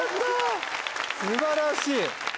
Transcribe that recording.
素晴らしい。